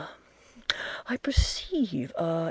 – I perceive a!